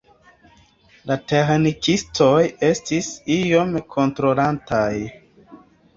La teĥnikistoj estis ion kontrolantaj.